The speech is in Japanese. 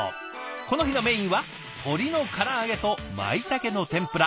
この日のメインは鶏のから揚げとマイタケの天ぷら。